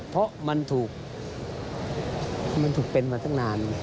เพราะมันถูกเป็นมาตั้งนาน